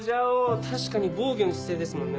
確かに防御の姿勢ですもんね。